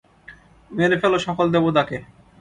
মেরে ফেলো সকল দেবতাকে।